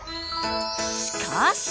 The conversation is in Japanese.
しかし！